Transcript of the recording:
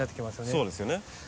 そうですよね。